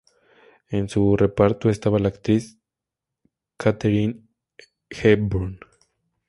En su reparto estaba la actriz Katharine Hepburn.